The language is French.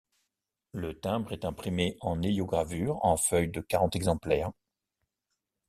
Le timbre est imprimé en héliogravure en feuille de quarante exemplaires.